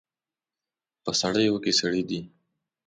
په سړیو کې سړي دي